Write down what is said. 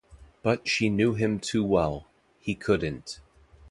But she knew him too well — he couldn’t.